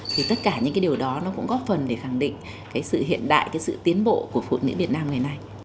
thì tất cả những cái điều đó nó cũng góp phần để khẳng định cái sự hiện đại cái sự tiến bộ của phụ nữ việt nam ngày nay